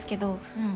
うん。